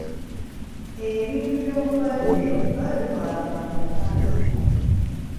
E bintu by'omulwadde baabitwalanga mu mpalo.